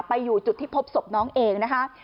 อยู่จุดที่พบศพน้องเองนะคะ